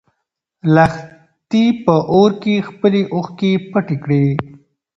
لښتې په اور کې خپلې اوښکې پټې کړې.